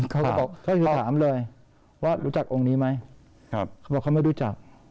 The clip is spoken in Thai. อืมถามเรื่องถามเลยว่ารู้จักองค์นี้ไหมครับเขาบอกเขาไม่รู้จัก